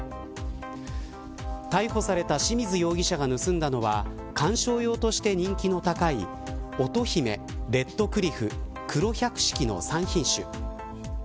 逮捕された清水容疑者が盗んだのは観賞用として人気の高い乙姫、レッドクリフ黒百式の３品種。